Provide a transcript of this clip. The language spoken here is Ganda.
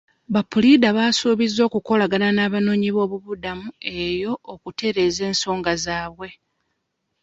Ba puliida baasuubiza okukolagana n'abanoonyi b'obubudamu eyo okutereeza ensonga zaabwe.